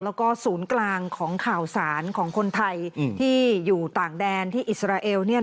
แล้วก็ศูนย์กลางของข่าวสารของคนไทยที่อยู่ต่างแดนที่อิสราเอล